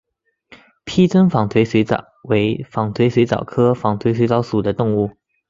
披针纺锤水蚤为纺锤水蚤科纺锤水蚤属的动物。